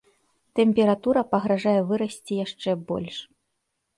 Тэмпература пагражае вырасці яшчэ больш.